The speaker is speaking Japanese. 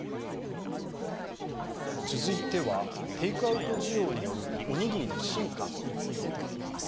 続いては、テイクアウト需要によるおにぎりの進化について取り上げます。